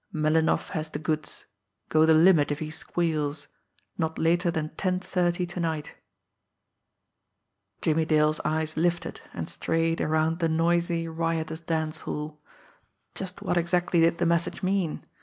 Melinoff has the goods. Go the limit if he squeals. Not later than ten thirty to night. Jimmie Dale's eyes lifted and strayed around the noisy, riotous dance hall. Just what exactly did the message mean?